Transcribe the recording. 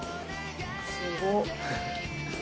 「すごっ！」